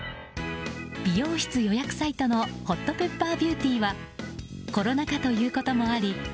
美容室予約サイトのホットペッパービューティーはコロナ禍ということもあり